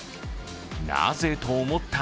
なぜ？と思った